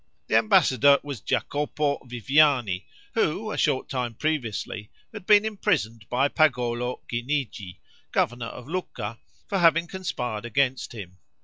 The ambassador was Jacopo Viviani, who, a short time previously, had been imprisoned by Pagolo Guinigi, governor of Lucca, for having conspired against him.